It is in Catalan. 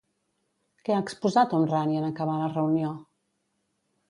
Què ha exposat Homrani en acabar la reunió?